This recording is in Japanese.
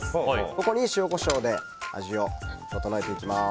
ここに塩、コショウで味を調えていきます。